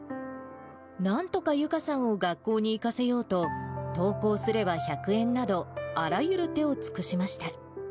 なんとかユカさんを学校に行かせようと、登校すれば１００円など、あらゆる手を尽くしました。